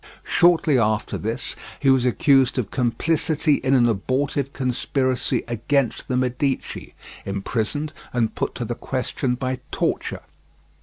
Shortly after this he was accused of complicity in an abortive conspiracy against the Medici, imprisoned, and put to the question by torture.